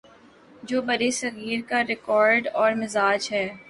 جو برصغیر کا کریکٹر اور مزاج ہے۔